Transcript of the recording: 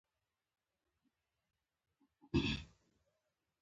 عبدالهادي پخپله ښه غيرتي ځوان و.